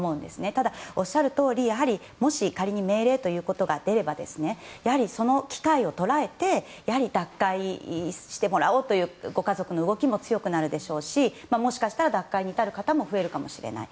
ただ、おっしゃるとおりもし仮に命令ということが出ればやはり、その機会を捉えて脱会してもらおうというご家族の動きも強くなるでしょうしもしかしたら脱会に至る方も増えるかもしれない。